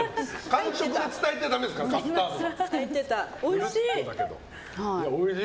感触で伝えちゃダメですカスタードは。